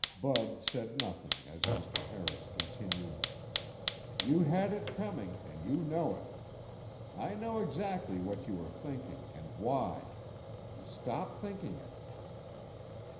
Bud said nothing as Mr. Harris continued, "You had it coming and you know it. I know exactly what you were thinking and why. Stop thinking it.